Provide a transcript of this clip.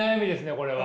これは。